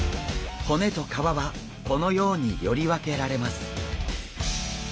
骨と皮はこのようにより分けられます。